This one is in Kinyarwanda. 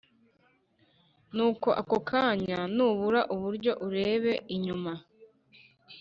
Nuko ako kanya nubura uburyo urebe inyuma